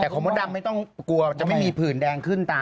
แต่ของมดดำไม่ต้องกลัวจะไม่มีผื่นแดงขึ้นตา